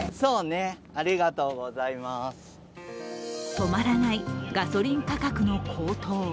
止まらないガソリン価格の高騰。